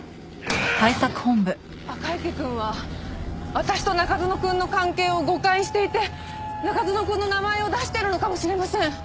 赤池くんは私と中園くんの関係を誤解していて中園くんの名前を出しているのかもしれません。